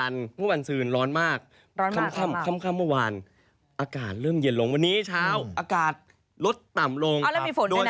เลขตรวจเลขตองดิ